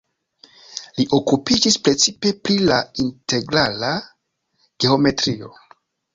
Li okupiĝis precipe pri la integrala geometrio.